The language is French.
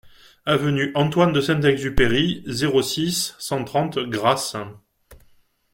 Avenue Antoine de Saint-Exupéry, zéro six, cent trente Grasse